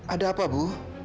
ada apa bu